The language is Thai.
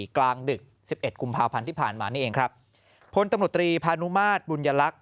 กลางดึกสิบเอ็ดกุมภาพันธ์ที่ผ่านมานี่เองครับพลตำรวจตรีพานุมาตรบุญยลักษณ